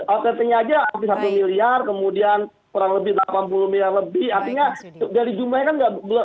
outsertingnya aja satu miliar kemudian kurang lebih delapan puluh miliar lebih artinya dari jumlahnya kan